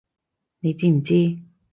你知唔知！